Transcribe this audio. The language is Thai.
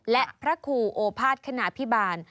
และพระครูโอภาษคณะพิบาล